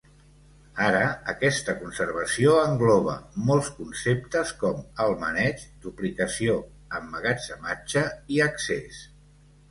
Ara, aquesta conservació engloba molts conceptes com el maneig, duplicació, emmagatzematge i accés.